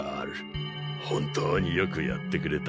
本当によくやってくれた。